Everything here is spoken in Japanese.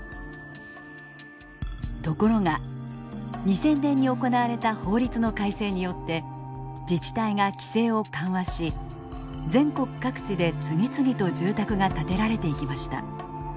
ところが２０００年に行われた法律の改正によって自治体が規制を緩和し全国各地で次々と住宅が建てられていきました。